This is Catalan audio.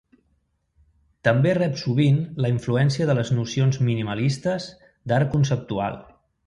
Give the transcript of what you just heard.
També rep sovint la influència de les nocions minimalistes d'art conceptual.